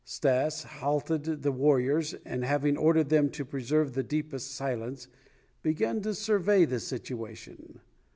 Stas halted the warriors and, having ordered them to preserve the deepest silence, began to survey the situation.